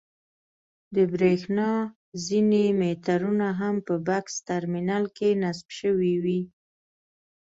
د برېښنا ځینې مېټرونه هم په بکس ټرمینل کې نصب شوي وي.